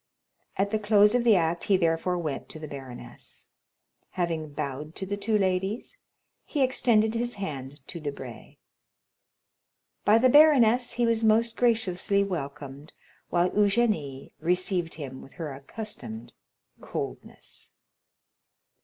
At the close of the act he therefore went to the baroness. Having bowed to the two ladies, he extended his hand to Debray. By the baroness he was most graciously welcomed, while Eugénie received him with her accustomed coldness.